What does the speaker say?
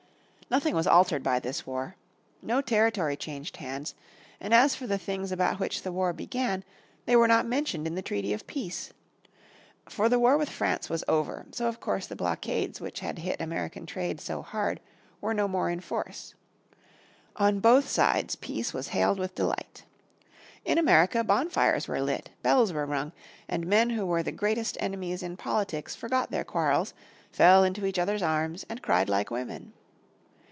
Nothing was altered by this war. No territory changed hands, and as for the things about which the war began, they were not mentioned in the treaty of peace. For the war with France was over, so of course the blockades which had hit American trade so hard were no more in force. On both sides peace was hailed with delight. In America bonfires were lit, bells were rung, and men who were the greatest enemies in politics forgot their quarrels, fell into each other's arms and cried like women.